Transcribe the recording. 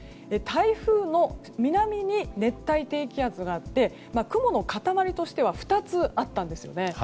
台風の南に熱帯低気圧があって雲の塊としては２つあったんですね。